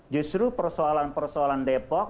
justru persoalan persoalan depok